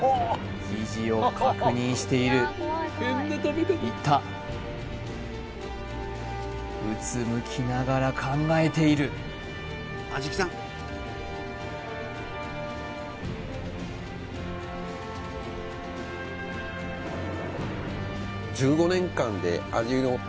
生地を確認しているいったうつむきながら考えているいや